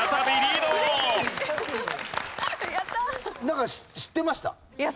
なんか知ってました？